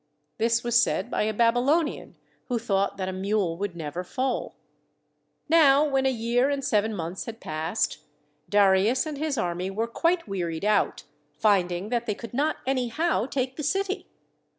1 This was said by a Babylonian who thought that a mule would never foal. Now when a year and seven months had passed, Darius and his army were quite wearied out, finding that they could not anyhow take the city.